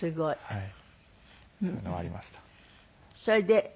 はい。